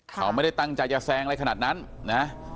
เขาไม่ได้ตั้งใจจะแซงอะไรขนาดนั้นนะ